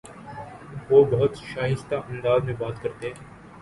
وہ بہت شائستہ انداز میں بات کرتے